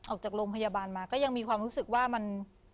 ออกจากโรงพยาบาลมาก็ยังมีความรู้สึกว่ามัน